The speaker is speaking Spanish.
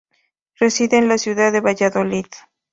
Reside en la ciudad de Valladolid.